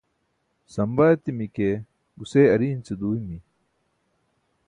samba etimi ke guse ariin ce duuymi